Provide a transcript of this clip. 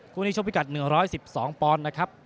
คู่นี้ชกพิกัด๑๑๒ปอนด์นะครับ